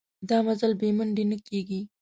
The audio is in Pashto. دا مزل بې منډې نه کېږي.